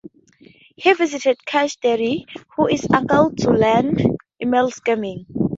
He visits Cash Daddy who is uncle to learn email scamming.